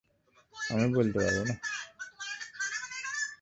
আমি বলতে পারব না!